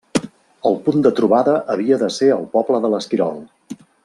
El punt de trobada havia de ser el poble de l'Esquirol.